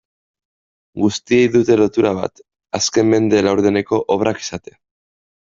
Guztiek dute lotura bat, azken mende laurdeneko obrak izatea.